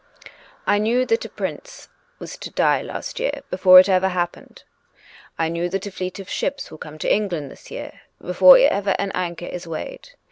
I knew that a prince was to die last year before ever it happened. I knew that a fleet of ships will come to England this year, before ever an anchor is weighed.